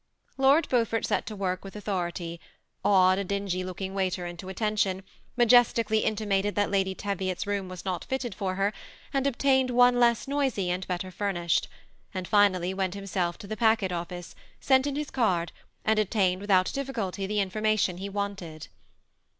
Lord Beaufort set to work with authority, awed a dingy looking waiter into attention ; majestically inti mated that Lady Teviot's room was not fitted for her, THE SEMI ATTACHED COUPLE. 299 and obtained one less noisy and better famished ; and finallj went himself to the packet ofBce, sent in his card, and obtained without difficulty the information he wanted.